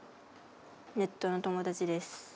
ネットの友達です。